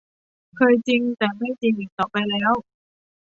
เคยจริงแต่ไม่จริงอีกต่อไปแล้ว